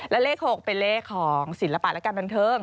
แล้วเลข๖เป็นเลขของสินลับาระกันท่านเทิง